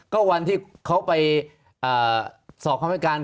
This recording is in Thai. ก็วันที่เขาไปสอบความเหตุการณ์